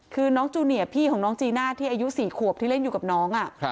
คือน้องจูเนียร์พี่ของน้องจีน่าที่อายุ๔ขวบที่เล่นอยู่กับน้อง